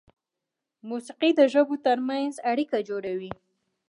موسیقي د ژبو تر منځ اړیکه جوړوي.